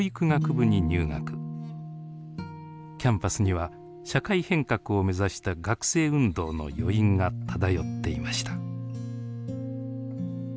キャンパスには社会変革を目指した学生運動の余韻が漂っていました。